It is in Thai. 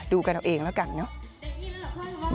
กันเอาเองแล้วกันเนอะ